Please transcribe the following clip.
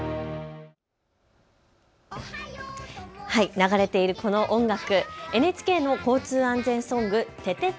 流れているこの音楽、ＮＨＫの交通安全ソング、ててて！